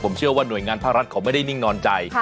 ผมเชื่อว่าหน่วยงานภาครัฐเขาไม่ได้นิ่งนอนใจ